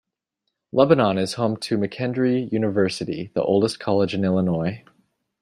Lebanon is home to McKendree University, the oldest college in Illinois.